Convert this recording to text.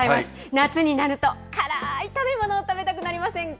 夏になると、辛ーい食べ物、食べたくなりませんか。